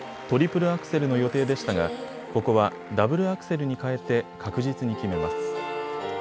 トリプルアクセルの予定でしたがダブルアクセルに変えて確実に決めます。